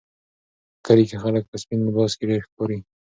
په کلي کې خلک په سپین لباس کې ډېر ښکاري.